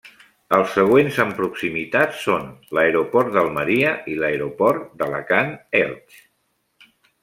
Els següents en proximitat són: l'aeroport d'Almeria i l'Aeroport d'Alacant-Elx.